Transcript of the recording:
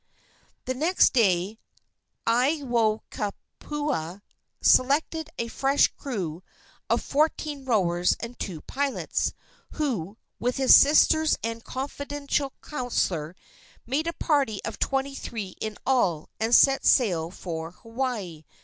The next day Aiwohikupua selected a fresh crew of fourteen rowers and two pilots, who, with his sisters and confidential counselor, made a party of twenty three in all, and set sail for Hawaii.